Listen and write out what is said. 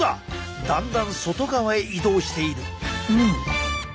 だんだん外側へ移動している。